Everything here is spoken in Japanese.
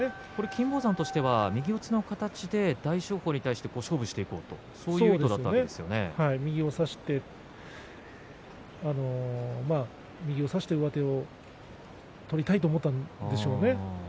金峰山は右四つの形で大翔鵬に対して勝負をしていこう右差して上手を取りたいと思ったんでしょうね。